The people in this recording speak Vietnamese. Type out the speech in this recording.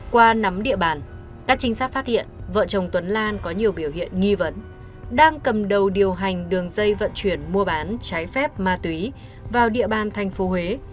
qua nắm địa bàn các trinh sát phát hiện vợ chồng tuấn lan có nhiều biểu hiện nghi vấn đang cầm đầu điều hành đường dây vận chuyển mua bán trái phép ma túy vào địa bàn tp huế